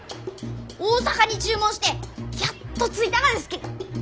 大阪に注文してやっと着いたがですき！